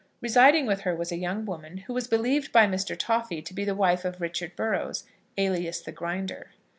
Residing with her was a young woman, who was believed by Mr. Toffy to be the wife of Richard Burrows, alias the Grinder.